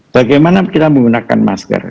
bagaimana kita menggunakan masker